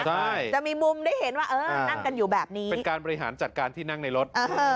ใช่จะมีมุมได้เห็นว่าเออนั่งกันอยู่แบบนี้เป็นการบริหารจัดการที่นั่งในรถ